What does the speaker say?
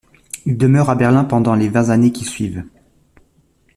Il demeure à Berlin pendant les vingt années qui suivent.